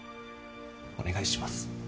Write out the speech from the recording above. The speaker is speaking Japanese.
お願いします。